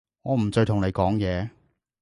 我唔再同你講嘢